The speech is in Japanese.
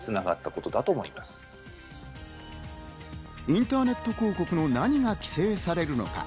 インターネット広告の何が規制されるのか？